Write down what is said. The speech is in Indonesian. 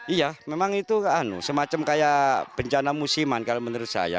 iya memang itu semacam kayak bencana musiman kalau menurut saya